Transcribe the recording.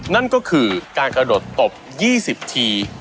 นั่นก็คือการกระโดดตบ๒๐ที